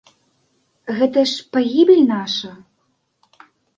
Гэта ж пагібель наша?